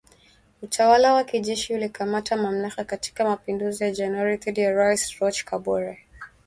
Utawala wa kijeshi ulikamata mamlaka katika mapinduzi ya Januari dhidi ya Rais Roch Kabore